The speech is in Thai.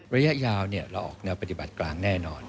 ระยะยาวเราออกแนวปฏิบัติกลางแน่นอน